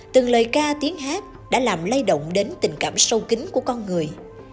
từng lời ca tiếng hát đã làm lây động đến tình cảm sâu kính của con người